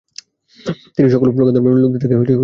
তিনি সকল প্রকার ধর্মের লোকেদের থেকে সমান খাজনা